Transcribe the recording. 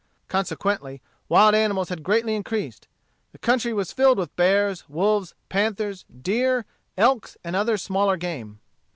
Consequently wild animals had greatly increased. The country was filled with bears, wolves, panthers, deer, elks, and other smaller game.